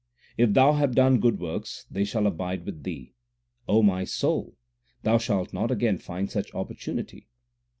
If thou have done good works, they shall abide with thee ; O my soul, thou shalt not again find such opportunity.